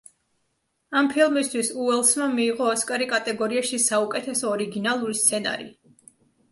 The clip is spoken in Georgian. ამ ფილმისთვის უელსმა მიიღო ოსკარი კატეგორიაში საუკეთესო ორიგინალური სცენარი.